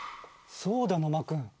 そうだ、野間君。